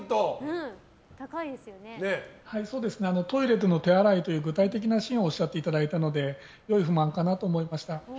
トイレでの手洗いという具体的なシーンをおっしゃっていただいたので良い不満かなと思いました。